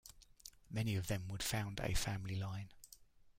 Many of them would found a family line.